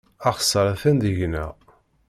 Axeṣṣar atan deg-neɣ.